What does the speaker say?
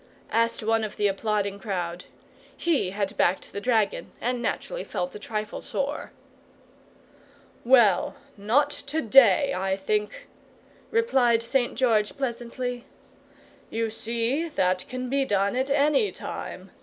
asked one of the applauding crowd. He had backed the dragon, and naturally felt a trifle sore. "Well, not TO DAY, I think," replied St. George, pleasantly. "You see, that can be done at ANY time.